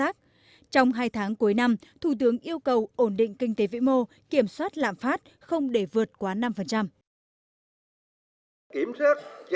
trong hai tháng cuối năm thủ tướng yêu cầu ổn định kinh tế vĩ mô kiểm soát lạm phát không để vượt quá năm